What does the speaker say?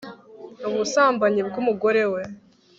ubusambanyi bw'umugore we